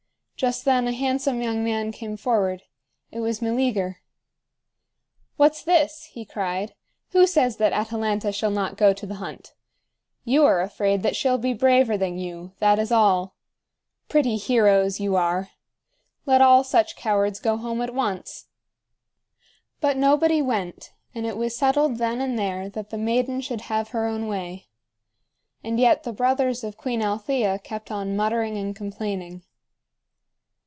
Just then a handsome young man came forward. It was Meleager. "What's this?" he cried. "Who says that Atalanta shall not go to the hunt? You are afraid that she'll be braver than you that is all. Pretty heroes you are! Let all such cowards go home at once." But nobody went, and it was settled then and there that the maiden should have her own way. And yet the brothers of Queen Althea kept on muttering and complaining.